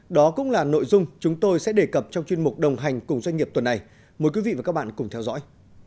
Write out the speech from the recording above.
đó cũng là nội dung chúng tôi sẽ đề cập trong chuyên mục đồng hành cùng doanh nghiệp tuần này mời quý vị và các bạn cùng theo dõi